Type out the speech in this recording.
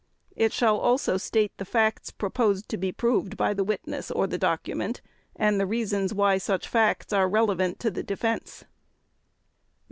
It shall also state the facts proposed to be proved by the witness or the document and the reasons why such facts are relevant to the Defense.